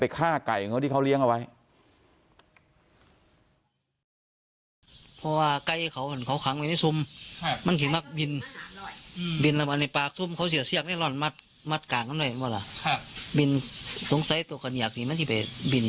ไปฆ่าไก่เนี่ยที่เขาเลี้ยงเอาไว้